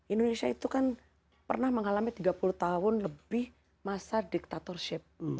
indonesia itu kan pernah mengalami tiga puluh tahun lebih masa dictatorship